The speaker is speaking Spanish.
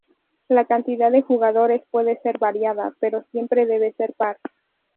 La cantidad de jugadores pude ser variada, pero siempre debe ser par.